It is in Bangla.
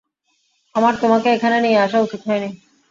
আমার তোমাকে এখানে নিয়ে আসা উচিত হয়নি।